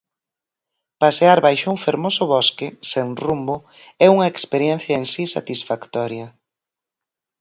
Pasear baixo un fermoso bosque, sen rumbo, é unha experiencia en si satisfactoria.